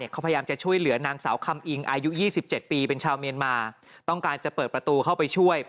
เขาพยายามจะช่วยเหลือนางสาวคำอิงอายุ๒๗ปีเป็นชาวเมียนมาต้องการจะเปิดประตูเข้าไปช่วย